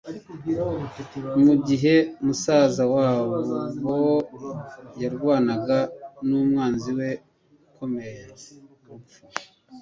mu gihe musaza wabo yarwanaga n'umwanzi we ukomeye rupfu.